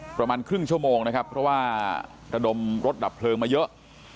ประมาณครึ่งชั่วโมงนะครับเพราะว่าระดมรถดับเพลิงมาเยอะ